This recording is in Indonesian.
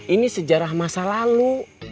ini sejarah masa lalu